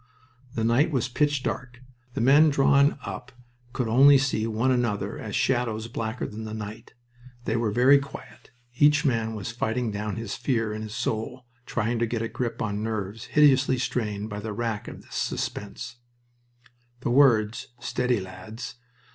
The night was pitch dark. The men drawn up could only see one another as shadows blacker than the night. They were very quiet; each man was fighting down his fear in his soul, trying to get a grip on nerves hideously strained by the rack of this suspense. The words, "Steady, lads."